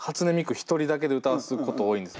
一人だけで歌わすこと多いんです。